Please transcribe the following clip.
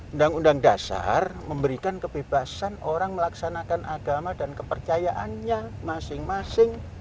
undang undang dasar memberikan kebebasan orang melaksanakan agama dan kepercayaannya masing masing